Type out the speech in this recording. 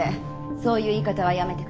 そういう言い方はやめてください。